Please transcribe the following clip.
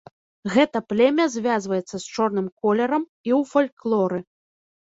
Гэта племя звязваецца з чорным колерам і ў фальклоры.